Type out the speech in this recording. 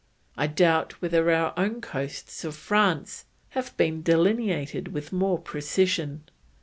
I doubt whether our own coasts of France have been delineated with more precision.